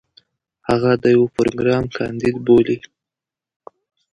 هغه د يو پروګرام کانديد بولي.